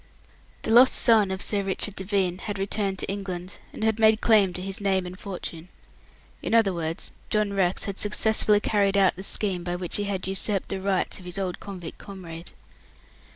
The lost son of Sir Richard Devine had returned to England, and made claim to his name and fortune. In other words, John Rex had successfully carried out the scheme by which he had usurped the rights of his old convict comrade.